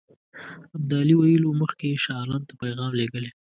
ابدالي ویلي وو مخکې یې شاه عالم ته پیغام لېږلی.